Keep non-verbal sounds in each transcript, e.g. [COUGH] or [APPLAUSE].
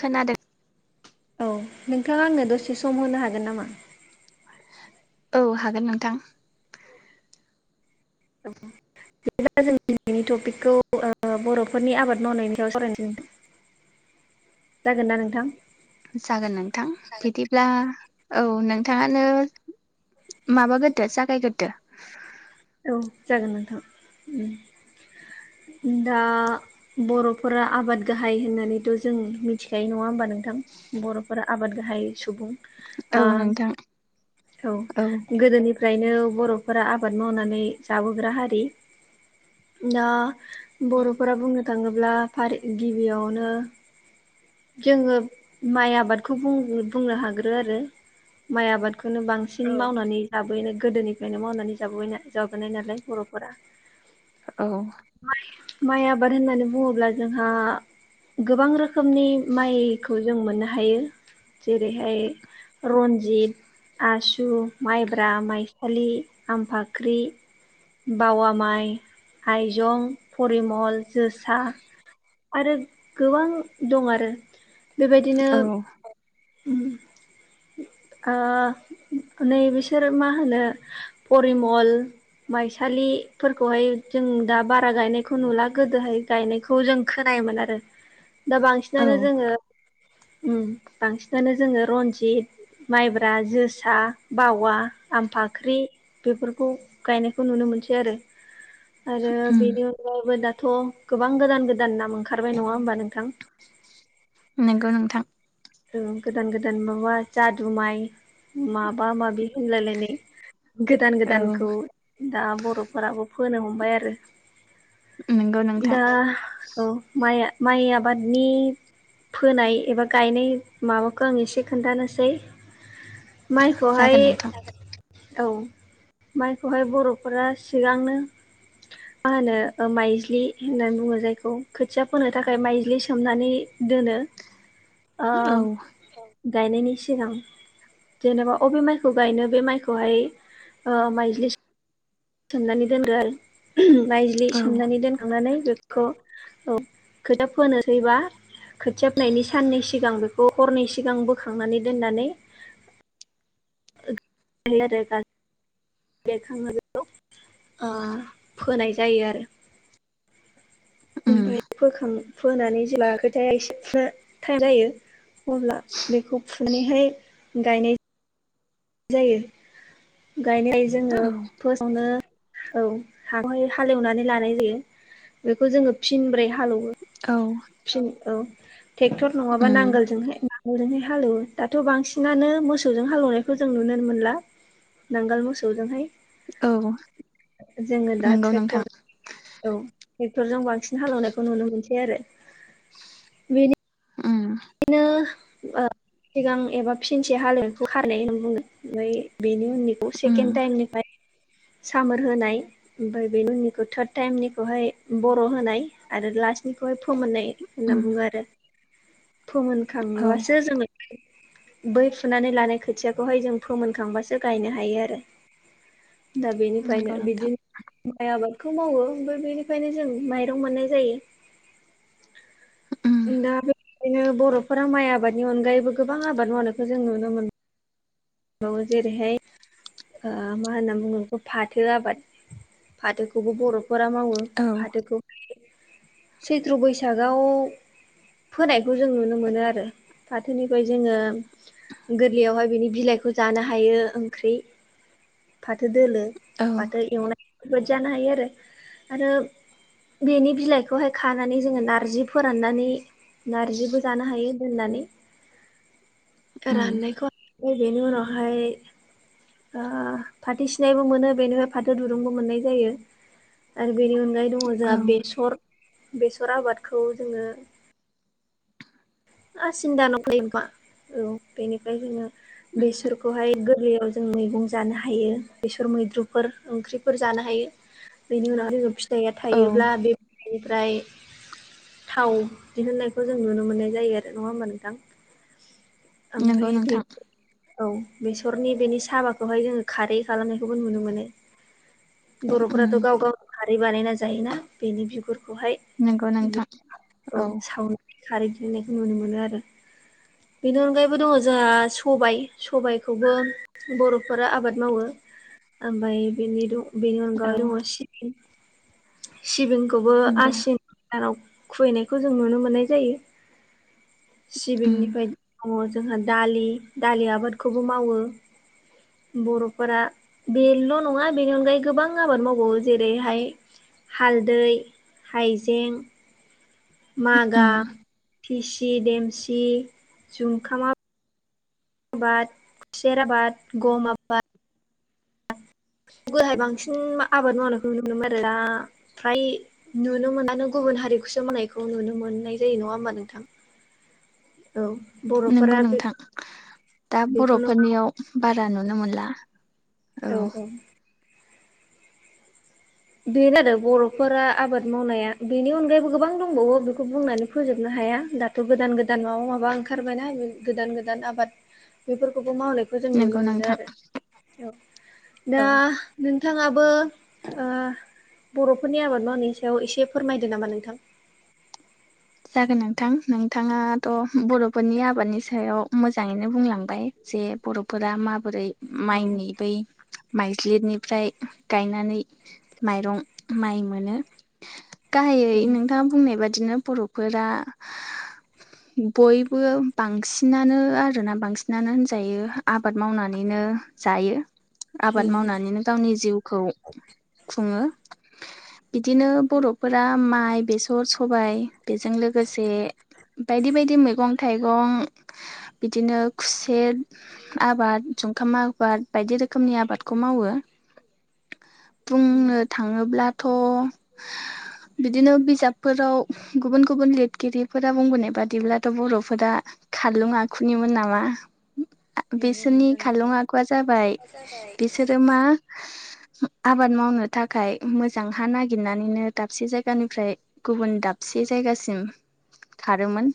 खोनादों। औ नोंथाङा आंनो दसे सम होनो हागोन नामा? औ हागोन नोंथां। बिदिबा जों दिनैनि टपिकखौ बर'फोरनि आबाद मावनायनि सायाव सावरायनोसै। जागोन ना नोंथां? जागोन नोंथां बिदिब्ला औ नोंथाङानो माबाग्रोदो जागायग्रोदो। औ जागोन नोंथां दा बर'फोरा आबाद गाहाय होननानैथ' जों मिथिखायो नङा होमबा नोंथां बर'फोरा आबाद गाहाय सुबुं ओ औ नोंथां औ गोदोनिफ्रायनो बर'फोरा आबाद मावनानै जाबोग्रा हारि दा बर'फोरा बुंनो थाङोब्ला फारि गिबियावनो जोङो माइ आबादखौ बुंनो हागोरो आरो माइ आबाद खौनो बांसिन मावनानै जाबायनो गोदोनिफ्रायनो मावनानै जाब जाबोनाय नालाय बर'फोरा औ माइ आबाद होननानै बुङोब्ला जोंहा गोबां रोखोमनि माइखौ जों मोननो हायो जेरैहाय रन्जित आसु माइब्रा माइसालि आमफाख्रि बावा माइ हाइजं परिमल जोसा आरो गोबां दं आरो बेबायदिनो औ नै बिसोर मा होनो परिमल माइसालिफोरखौहाय जों दा बारा गायनायखौ नुला गोदोहाय गायनायखौ जों खोनायोमोन आरो दा बांसिन औ बांसिनानो जोङो बांसिनानो जोङो रनजित माइब्रा ज फोसा बावा आमफाख्रि बेफोरखौ गायनायखौ नुनो मोनसै आरो आरो उम बेनि अनगायैबो दाथ' गोबां गोदान गोदान नाम ओंखारबाय नङा होमबा नोंथां नंगौ नोंथां गोदान गोदान माबा जादु माइ माबा माबि होनलायलायनाय गोदान औ गोदानखौ दा बर'फोराबो फोनो हमबाय आरो नंगौ नोंथां दा औ माइ माइ आबादनि फोनाय एबा गायनाय माबाखौ आं एसे खोन्थानोसै माइखौहाय जागोन नोंथां औ माइखौहाय बर'फोरा सिगांनो मा होनो माइज्लि होननानै बुङो जायखौ खोथिया फोनो थाखाय माइज्लि सोमनानै दोनो औ गायनायनि सिगां जेनेबा अबे माइखौ गायनो बे माइखौहाय माइज्लि सोमनानै दोनदो आरो नायज्लि औ सोमनानै दोनखांनानै खौ औ खोथा फोनोसैबा खोथियााबनायनि साननै सिगां बेखौ हरनै सिगां बोखांनानै दोननानै हल र बेरखाङोखौ फोनाय जायो आरो उम ओमफ्राय फोखां फोनानै जेब्लााखोथायाया एसे थ जायो अब्ला बेखौ फुैहाय गायनाय जायो गायनाय हायो औ जोङो फार्स्ट नो औहाय हालेवनानै लानाय जायो बेखौ जोङो फिनब्रै हालेवो औ फिन औ ट्रेक्टर नङाबा उम नांगोलजोंहाय हओरैहाय हालेवो दाथ' बांसिनानो मोसौजों हालेवनायखौ जों नुनो मोनला नांगाल मोसौजोंहाय औ जोङो दा नंगौ नोंथां ट्रेक्टर औ ट्रेक्टरजों बांसिन हालेवनायखौ नुनो मोनसै आरो उ बिदिनो सिगां एबा फिनसे हालेवखौ खारनाय होननानै बुङो ओमफ्राय बेनि उनैखौ उम सेकेणड टाइमनिफ्राय सामोर होनाय ओमफाय बे उननिखौ थार्द टाइमनिखौहाय बर' होनाय आरो लास्टनिखौहाय फोमोननाय होनना उम बुङो आरो औ फोमोनखांबासो जोङो बै फुनानै लानाय खोथियाखौहाय जों फोमोनखांबासो गायनो हायो आरो [INAUDIBLE] दा बेनिफ्रायनो नंगौ नोंथां बिदिनो माइ आबादखौ मावो ओमफ्राय बेनिखायनो जों माइरं मोननाय जायो उम द दा बे बेायनो बर'फोरा माइ आबादनि अनगायैबो गोबां आबाद मावनायखौ जों नुनो मोनो बावयो जेरैहाय ओ मा होनना बुङो बेखौ फाथो आबाद फाथोखौबो बर'फोरा मावो औ फाथोखौ सैथ्र' बैसागआव फोनायखौ जों नुनो मोनो आरो फाथोनिफाय जोङो गोरलैयावहाय बिनि बिलाइ खौ ज हायो ओंख्रि फाथो दोलो औ फाथो एवनाय [UNINTELLIGIBLE] जानो हायो आरो आरो बेनि बिलाइखौहाय खानानै जोङो नारजि फोराननानै नारजिबो जानो हायो दोननानै [INAUDIBLE] उम राननायखौ बेनि उनावहाय ओ फाथै सिनायबो मोनो बेनो फाथो दुरुंबो मोननाय जायो आरो बेनि अनगायै द अ जोआ औ बेसर बेसर आबादखौ जोङो आसिन दानाव फोयो [UNINTELLIGIBLE] औ बेनिफ्राय जोङो बेसरखौहाय गोरलैयाव जों मैगं जानो हायो बेसर मैद्रुफोर ओंख्रिफोर जानो हायो [INAUDIBLE] बेनि उनाव जबो फिथाइया औ थायोब्ला बे बेनिफ्राय थाव दिहुननायखौ जों नुनो मोनो जायो आरो नङा होमबा नोंथां? नंगौ ओमफाय बे नोंथां औ बेसरनि बेनि साबाखौहाय जोङो खारै खालामनायखौबो नुनो मोनो उम बर'फोराथ' गाव गाव खारै बानायना जायोना बेनि बिगुरखौहाय नोंगौ नोंथां औ साव खारै [UNINTELLIGIBLE] नुनो मोनो आरो बेनि अनगायैबो दङ जोंहा सबाय सबायखौबो बर'फोरा आबाद मावो ओमफाय बिनि द बिनि औ अनगायै दङ सिबिं सिबिंखौबो नंगौ आसिन गोदानाव खुबैनायखौ जों नुनो मोननाय जायो उम सिबिंनिफाय दङ जोंहा दालि दालि आबादखौबो मावो बर'फोरा बेल्ल' नङा बेनि अनगायै गोबां आबाद मावबावो जेरैहाय हालदै हाइजें मागा उम फिसि देमसि जुमखामा बाद खुसेर आबाद गम आब गोराहाय बांसिन आबाद मावनायखौ नुनो मोनोमोन आरोना फ्राय नुनो मोनबानो गुबुन हारिखौसो मोननायखौ नुनो मोननाय जायो नङा होमबा नोंथां [INAUDIBLE] औ ब नोंगौ नोंथां दा बेखौनो बर'फोरनियाव बारा नुनो मोनला औ औ औ बेनो [UNINTELLIGIBLE] बर'फोरा आबाद मावनाया बेनि अनगायैबो गोबां दंबावो बेखौ बुंनानै फोजोबनो हाया दा गोदान गोदान माबा माबा ओंखारबायनाा गोदान गोदान आबाद बेफोरखौबो मावनाय खौ जों नंगौ नुनो मोनो नोंथां आरो औ दा औ नोंथाङाबो ओ बर'फोरनि आबाद मावनायनि सायाव इसे फोरमायदो नामा नोंथां जागोन नोंथां नोंथाङाथ' बर'फोरनि आबादनि सायाव मोजाङैनो बुंलांबाय जे बर'फोरा माबोरै औ माइनि बै माइज्लिद गाहाइयै औ उम नोंथाङा बुंनाय बादिनो बर'फोरा बयबो बांसिनानो आरोना बांसिनानो होनजायो आबाद मावनानैनो जायो। आबाद मावनानैनो गावनि जिउखौ खुङो। बिदिनो बर'फोरा माइ बेसर सबाइ बेजों लोगोसे बायदि बायदि मैगं थाइगं बिदिनो खुसेद आबाद जंखाम आबाद बायदि रोखोमनि आबादखौ मावो उम बुंनो थाङोब्लाथ' बिदिनो बिजाबफोराव गुबुन गुबुन लिरगिरिफोरा बुंबोनाय बादिब्लाथ' बर'फोरा खारलुं आखुनिमोन नामा। नंगौ बिसोरनि नोंथां नंगौ खारलं आखुआ जाबाय औ बिसोरो मा आबाद मावनो थाखाय मोजां हा नागिरनानैनो दाबसे जायगानिफ्राय गुबुन दाबसे जायगासिम खारोमोन।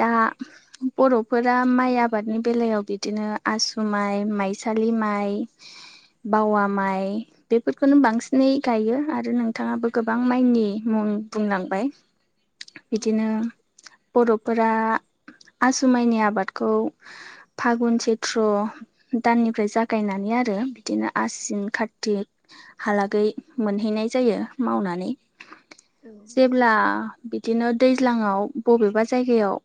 दा बर'फोरा माइ आबादनि बेलायाव बिदिनो आसु माइ, माइसालि माइ, बावा माइ, बेफोरखौनो बांसिनै गायो आरो नोंथाङाबो गोबां माइनि मुं बुंलांबाय। औ बिदिनो बर'फोरा आसु माइनि आबादखौ फागुन चैत्र दाननिफ्राय जागायनानै आरो बिदिनो आसिन कारतिक हालागै मोनहैनाय जायो मावनानै। जेब्ला बिदिनो दैज्लांआव बबेबा जायगायाव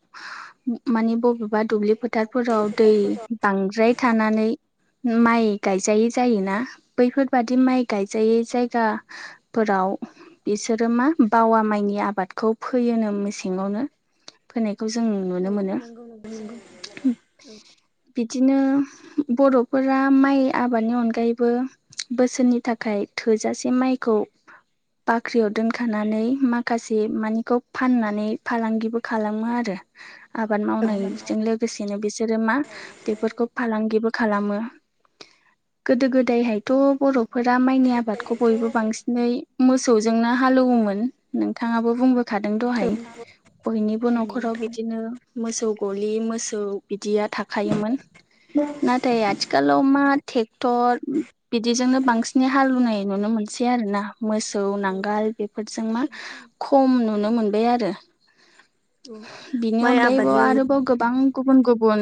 माने बबेबा दुब्लि फोथारफोराव दै बांद्राय थानानै माइ गायजायै जायोना बैफोरबादि माइ गायजायै जायगा फोराव बिसोरो मा बावा माइनि आबादखौ फैयोनो मेसेङावनो फोनायखौ जों नुनो मोनो। नंगौ नंगौ नंगौ औ। बिदिनो बर'फोरा माइ आबादनि अनगायैबो बोसोरनि थाखाय थोजासे माइखौ बाख्रियाव दो नखानानै माखासे मानिखौ फाननानै फालांगिबो खालामो आरो। आबाद औ मावनायजों लोगोसे लोगोसेनो बिसोरो मा बेफोरखौ फालांगिबो खालामो। गोदो गोदायहायथ' बर'फोरा माइनि आबादखौ बयबो बांसिनै मोसौजोंनो हालेवोमोन नोंथाङाबो बुंबोखादों दहाय औ बयनिबो नंगौ न'खराव नोंथां बिदिनो। मोसौ गलि मोसौ बिदिया थाखायोमोन। नाथाय आथिखालाव मा ट्रेक्टर बिदिजोंनो बांसिनै हालेवनाय नुनो मोनसै आरोना। मोसौ औ नांगोल बेफोरजों मा खम नुनो मोनबाय आरो। औ बिनि माइ अनगायैबो आबादनि अन आरोबाव गोबां गुबुन गुबुन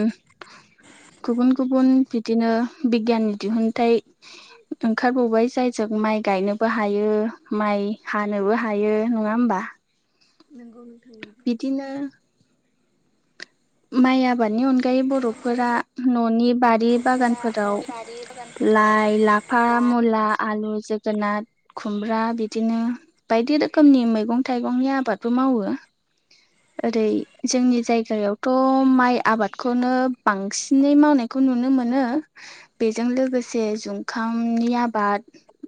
गुबुन गुबुन बिदिनो बिगियाननि दिहुनथाइ ओंखारबावबाय जाय जों माइ गायनोबो हायो माइ हानोबो हायो नङा होमबा। नंगौ नोंथां नंगौ। बिदिनो माइ आबादनि अनगायै बर'फोरा न'नि बारि बागानफोराव लाइ, लाफा, मुला, आलु, जोगोनाद, खुमब्रा बिदिनो बायदि रोखोमनि मैगं थाइगंनि आबादबो मावो। ओरै जोंनि जायगायाव थ' माइ आबादखौनो बांसिनै मावनायखौ नुनो मोनो। बेजों लोगोसे जुखामनि आबाद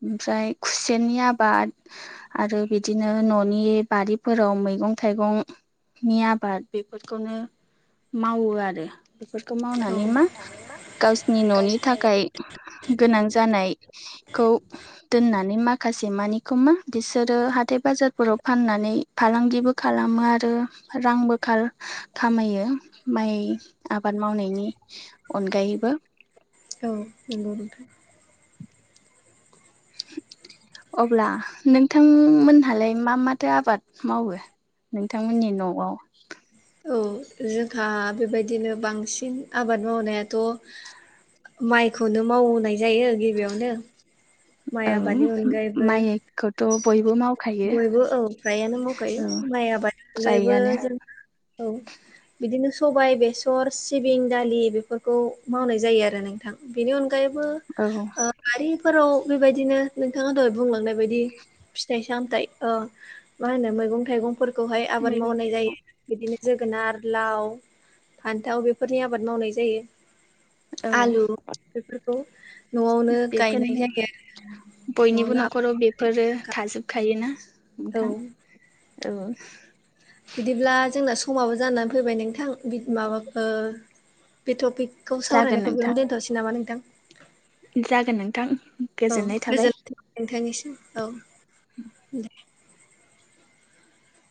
ओमफ्राय खुसेरनि आबाद आरो बिदिनो न'नि बारिफोराव मैगं थाइगंनि आबाद बेफोरखौनो मावो आरो। बेफोरखौ मावनानै मा औ गावसिनि न'नि थाखाय गोनां जानाय औ। दोननानै माखासे मानिखौ मा बिसोरो हाथाय बाजारफोराव फाननानै फालांगिबो खालामो आरो रांबो खामायो माइ आबाद मावनायनि अनगायैबो औ नंगौ नोंथां। अब्ला नोंथांमोनहालाय मा माथो आबाद मावो। नोंथांमोननि न'आव औ जोंहा बेबायदिनो बांसिन आबाद मावनायाथ' माइखौनो मावाय जायो गिबियावनो माइ आबादनि अनगायैबो खोथ' बयबो माव बयबो औ फ्रायानो मावखायो माइ आबाद अनगायैबो फ्रायानो जों औ बिदिनो सबाय बेसर सिबिं दालि बेफोरखौ मावनाय जायो आरो नोंथां बेनि अनगायैबो औ बारिफोराव बेबायदिनो नोंथाङा दहाय बुंलांनाय बायदि फिथाइ फि सामथाइ मा होनो मैगं थाइगंफोरखौहाय आबाद मैगं मावनाय थाइगं जायो बिदिनो जोगोनार लाव फान्थाव बेफोरनि आबाद मावनाय जायो औ आलु बेफोरखौ न'आवनो गायनाय बेफोरनो जायो आरो बयनिबो न'आवनो नख'राव बे आबाद फोरो मावनानै थाजोबखायोना औ नोंथां औ बिदिब्ला जोंना समाबो जानानै फैबाय नोंथां माबाखौ बे टपिकखौ जागोन सावरायनायखौ नोंथां बेयावनो दोनथ'नोसै नामा नोंथां जागोन नोंथां गोजोननाय थाबाय नोंथांनिसो औ